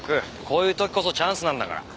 こういう時こそチャンスなんだから。